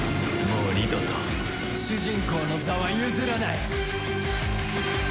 もう二度と主人公の座は譲らない。